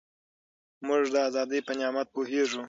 موږ د ازادۍ په نعمت پوهېږو.